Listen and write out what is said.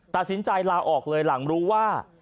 ตัดสินใจลาออกเลยหลังรู้ว่า